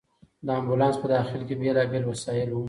د امبولانس په داخل کې بېلابېل وسایل وو.